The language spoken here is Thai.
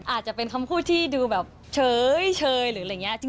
อาจจะเป็นคำพูดที่ดูแบบเฉยหรืออะไรอย่างนี้